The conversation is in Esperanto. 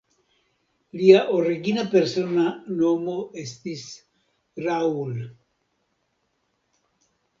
Lia origina persona nomo estis "Raoul".